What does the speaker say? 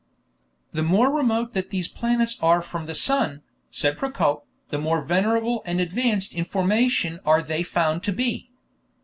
"The more remote that these planets are from the sun," said Procope, "the more venerable and advanced in formation are they found to be.